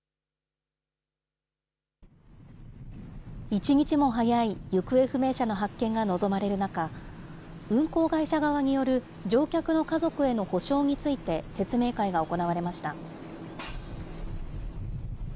一日も早い行方不明者の発見が望まれる中、運航会社側による乗客の家族への補償について、説明会が行われました。